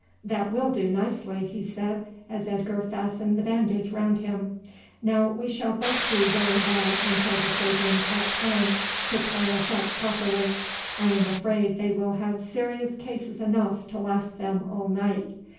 "That will do nicely," he said as Edgar fastened the bandage round him. "Now we shall both do very well until the surgeons have time to tie us up properly. I am afraid they will have serious cases enough to last them all night.